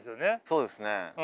そうですね。